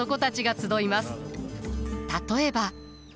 例えば。